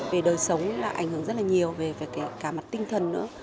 về đời sống ảnh hưởng rất nhiều về cả mặt tinh thần nữa